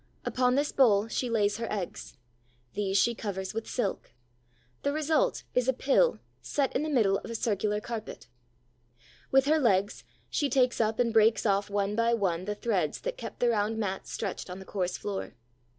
Upon this bowl she lays her eggs. These she covers with silk. The result is a pill set in the middle of a circular carpet. With her legs she takes up and breaks off one by one the threads that keep the round mat stretched on the coarse floor.